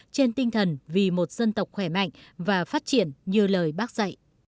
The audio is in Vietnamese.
trên tinh thần vì một dân tộc khỏe mạnh và phát triển như lời bác dạy